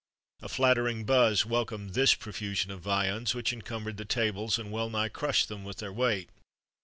A flattering buzz welcomed this profusion of viands, which encumbered the tables, and well nigh crushed them with their weight.